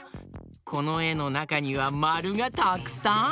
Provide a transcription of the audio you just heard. このえのなかにはまるがたくさん！